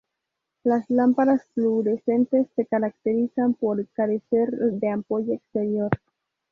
Las lámparas fluorescentes se caracterizan por carecer de ampolla exterior.